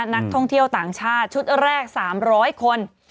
นักท่องเที่ยวต่างชาติชุดแรก๓๐๐คน